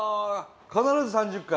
必ず３０回。